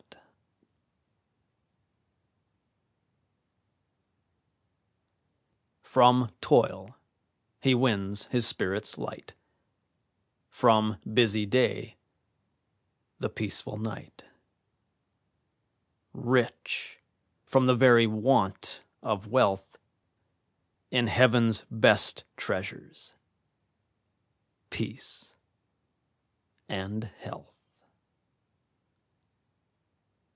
[Illustration: IN GEORGIAN BAY] From toil he wins his spirits light, From busy day the peaceful night, Rich, from the very want of wealth, In heaven's best treasures, peace and health.